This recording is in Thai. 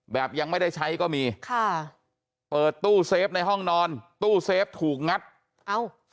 ยังไม่ได้ใช้ก็มีค่ะเปิดตู้เซฟในห้องนอนตู้เซฟถูกงัดเอ้า